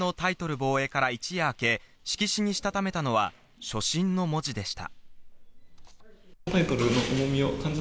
防衛から一夜明け、色紙にしたためたのは「初心」の文字でした。